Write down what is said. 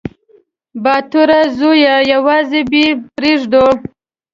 _باتوره زويه! يوازې به يې پرېږدو.